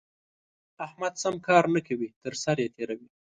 احمد سم کار نه کوي؛ تر سر يې تېروي.